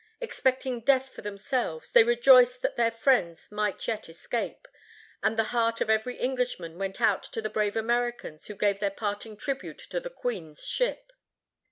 Expecting death for themselves, they rejoiced that their friends might yet escape, and the heart of every Englishman went out to the brave Americans who gave their parting tribute to the Queen's ship.